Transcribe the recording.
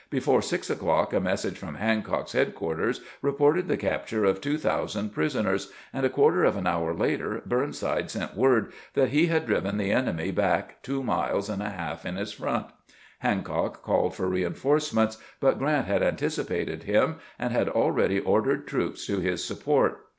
Before six o'clock a message from Hancock's headquarters re ported the capture of two thousand prisoners, and a quarter of an hour later Burnside sent word that he had driven the enemy back two miles and a half in his front. Hancock called for reinforcements, but Grant had an ticipated him and had already ordered troops to his support.